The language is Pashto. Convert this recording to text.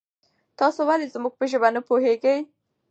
تاسو ولې زمونږ په ژبه نه پوهیږي؟